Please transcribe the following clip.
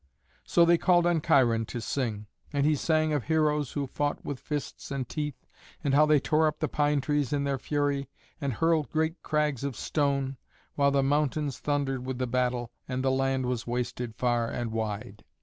So they called on Cheiron to sing. And he sang of heroes who fought with fists and teeth, and how they tore up the pine trees in their fury, and hurled great crags of stone, while the mountains thundered with the battle, and the land was wasted far and wide.